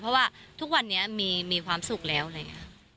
เพราะว่าทุกวันนี้มีความสุขแล้วเลย